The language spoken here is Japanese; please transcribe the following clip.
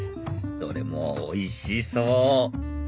どれもおいしそう！